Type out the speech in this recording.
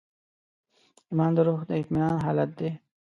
ایمان د روح د اطمینان حالت دی.